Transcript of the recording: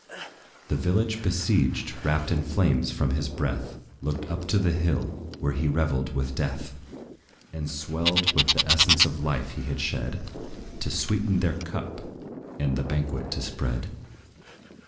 The village besieged, wrapped in flames from his breath, Looked up to the hill, where he revelled with death, And swelled with the essence of life he had shed, To sweeten their cup, and the banquet to spread.